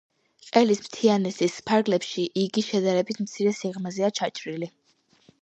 ყელის მთიანეთის ფარგლებში იგი შედარებით მცირე სიღრმეზეა ჩაჭრილი.